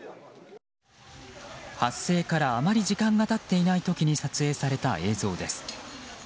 発生からあまり時間が経っていない時に撮影された映像です。